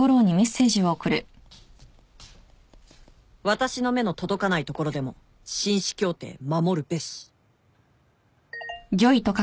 「私の目の届かないところでも紳士協定守るべし」